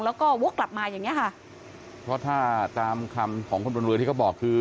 แล้วก็วกกลับมาอย่างเงี้ยค่ะเพราะถ้าตามคำของคนบนเรือที่เขาบอกคือ